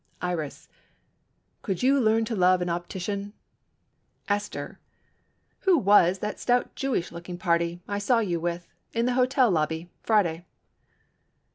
Iris—"Could you learn to love an optician?" Aster—"Who was that stout Jewish looking party I saw you with in the hotel lobby Friday?"